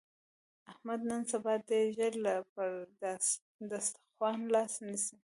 احمد نن سبا ډېر ژر له پر دستاخوان لاس نسي.